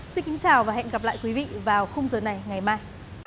xin kính chào và hẹn gặp lại quý vị vào khung giờ này ngày mai